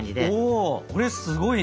おそれすごいね！